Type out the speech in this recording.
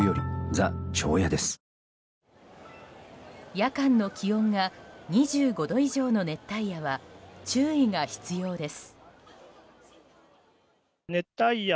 夜間の気温が２５度以上の熱帯夜は注意が必要です。